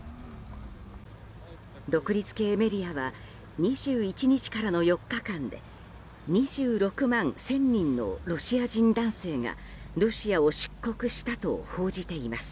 独立系メディアは２１日からの４日間で２６万１０００人のロシア人男性がロシアを出国したと報じています。